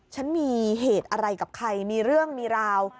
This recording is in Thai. ฉันมีเหตุอะไรกับใครมีเรื่องมีราว